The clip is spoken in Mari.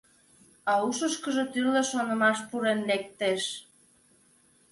А ушышкыжо тӱрлӧ шонымаш пурен лектеш.